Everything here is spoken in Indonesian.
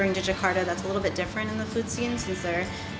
membawa ke jakarta yang sedikit berbeda dalam hal makanan karena